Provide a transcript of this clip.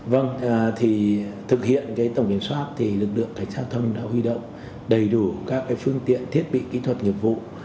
vâng thì thực hiện tổng kiểm soát thì lực lượng cảnh sát giao thông đã huy động đầy đủ các phương tiện thiết bị kỹ thuật nghiệp vụ